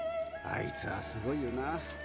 あいつはすごいよな。